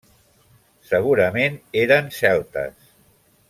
Segurament eren celtes.